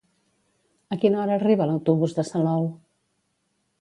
A quina hora arriba l'autobús de Salou?